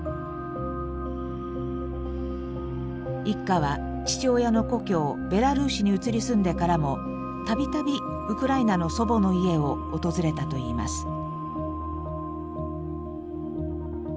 一家は父親の故郷ベラルーシに移り住んでからもたびたびウクライナの祖母の家を訪れたといいます。